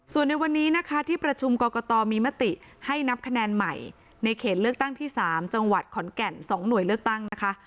ส่วนในวันนี้นะคะที่ประชุมกรกตมีมติให้นับคะแนนใหม่ในเขตเลือกตั้งที่๓จังหวัดขอนแก่น๒หน่วยเลือกตั้งนะคะ